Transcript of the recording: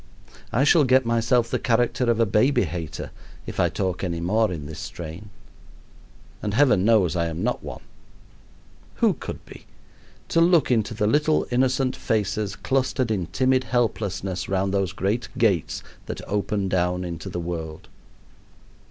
I shall get myself the character of a baby hater if I talk any more in this strain. And Heaven knows I am not one. Who could be, to look into the little innocent faces clustered in timid helplessness round those great gates that open down into the world?